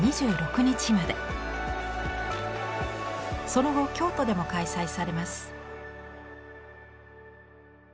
その後京都でも開催されます。